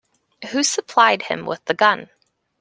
Who supplied him with the gun?